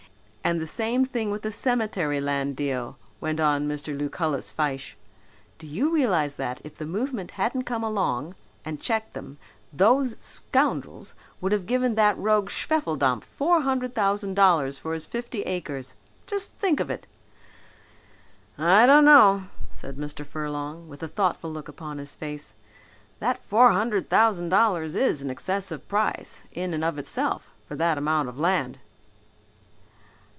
"And the same thing with the cemetery land deal," went on Mr. Lucullus Fyshe. "Do you realize that, if the movement hadn't come along and checked them, those scoundrels would have given that rogue Schwefeldampf four hundred thousand dollars for his fifty acres! Just think of it!" "I don't know," said Mr. Furlong with a thoughtful look upon his face, "that four hundred thousand dollars is an excessive price, in and of itself, for that amount of land."